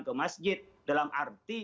ke masjid dalam arti